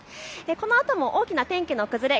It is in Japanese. このあとも大きな天気の崩れ